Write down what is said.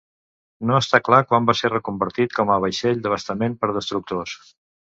No està clar quan va ser reconvertit com a vaixell d'abastament per destructors.